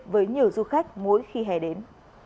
với nhiều du khách mỗi khi hè đến